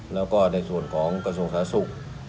แล้วก็ในส่วนของกระทรวงศาสตร์ศุกร์